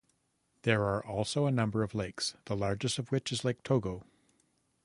There are also a number of lakes, the largest of which is Lake Togo.